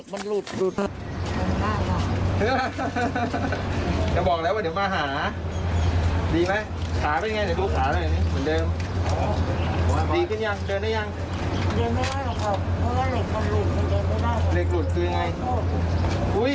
เพราะว่าเหล็กมันหลุดมันเจ๋งไม่ได้